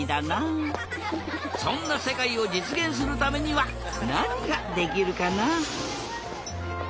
そんなせかいをじつげんするためにはなにができるかな？